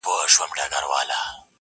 په دې پوهېږمه چي ستا د وجود سا به سم.